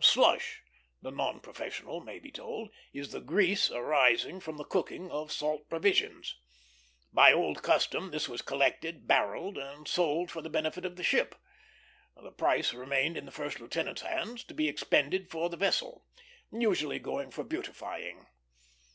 Slush, the non professional may be told, is the grease arising from the cooking of salt provisions. By old custom this was collected, barrelled, and sold for the benefit of the ship. The price remained in the first lieutenant's hands, to be expended for the vessel; usually going for beautifying.